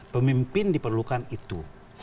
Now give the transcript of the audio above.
pemimpin diperlukan itu